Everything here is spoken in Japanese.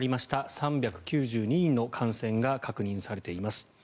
３９２人の感染が確認されています。